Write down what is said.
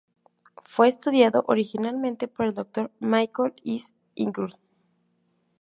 Fue estudiado originalmente por el Dr. Michael S. Engel.